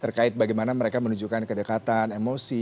terkait bagaimana mereka menunjukkan kedekatan emosi